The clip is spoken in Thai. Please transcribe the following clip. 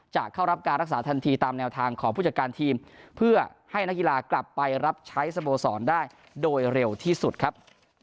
จะเข้ารับการรักษาทันทีตามแนวทางของผู้จัดการทีมเพื่อให้นักกีฬากลับไปรับใช้สโมสรได้โดยเร็วที่สุดครับ